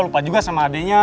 lupa juga sama adeknya